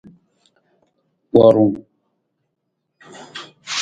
Worung.